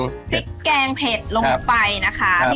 พริกแกงเผ็ดลงไปนะคะ